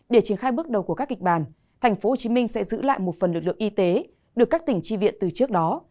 để triển khai bước đầu của các kịch bản tp hcm sẽ giữ lại một phần lực lượng y tế được các tỉnh tri viện từ trước đó